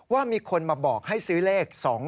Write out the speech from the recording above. ว่ามีคนมาบอกให้ซื้อเลข๒๕๖